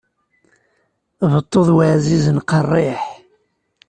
Beṭṭu d waɛzizen, qeṛṛiḥ.